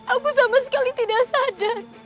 aku sama sekali tidak sadar